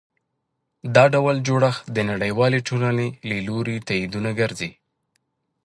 دا ډول جوړښت د نړیوالې ټولنې له لوري تایید ونه ګرځي.